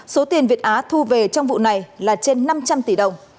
số tiền việt á thu về trong vụ này là trên năm trăm linh tỷ đồng